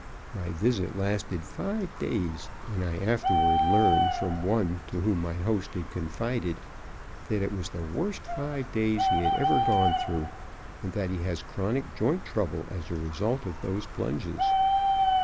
My visit lasted five days, and I afterward learned, from one to whom my host had confided, that it was the worst five days he had ever gone through, and that he has chronic joint trouble as a result of those plunges.